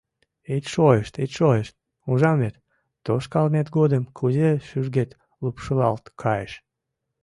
Ит шойышт, ит шойышт, ужам вет, тошкалмет годым кузе шӱргет шупшылалт кайыш.